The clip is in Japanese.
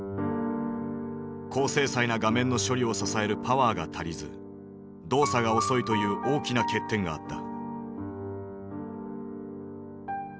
高精細な画面の処理を支えるパワーが足りず動作が遅いという大きな欠点があった。